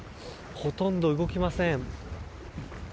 ほとんど動きません。